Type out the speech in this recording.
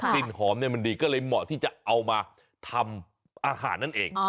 กลิ่นหอมมันดีก็เลยเหมาะที่จะเอามาทำอาหารนั่นเอง